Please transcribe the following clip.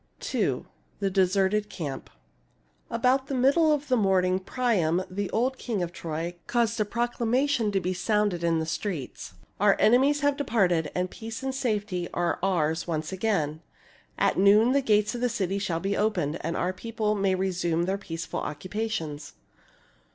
ni. THE DESERTED CAMP About the middle of the morning, Priam, the old king of Troy, caused a proclamation to be sounded in the streets :—" Our enemies have departed, and peace and safety are ours once again. At noon the gates of the city shall be opened, and our people may resume their peaceful occupations."